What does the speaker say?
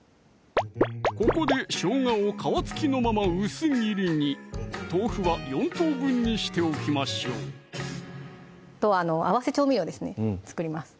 ここでしょうがを皮付きのまま薄切りに豆腐は４等分にしておきましょう合わせ調味料ですね作ります